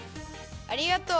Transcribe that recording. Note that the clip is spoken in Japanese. ありがとう。